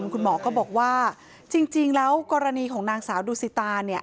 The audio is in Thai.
คุณหมอก็บอกว่าจริงแล้วกรณีของนางสาวดูสิตาเนี่ย